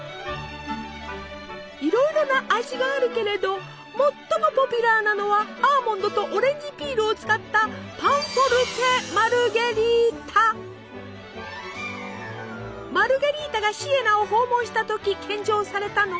いろいろな味があるけれど最もポピュラーなのはアーモンドとオレンジピールを使ったマルゲリータがシエナを訪問した時献上されたの。